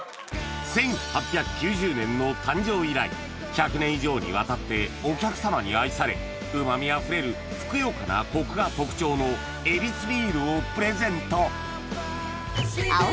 １８９０年の誕生以来１００年以上にわたってお客さまに愛されうまみあふれるふくよかなコクが特徴のヱビスビールをプレゼント